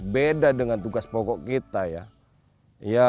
beda dengan tugas pokok kita ya